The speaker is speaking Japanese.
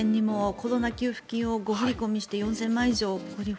コロナ給付金を誤振込して４０００万以上。